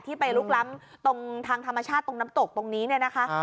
ที่ไปลุกล้ำทางธรรมชาติตรงน้ำตกตรงนี้นะคะ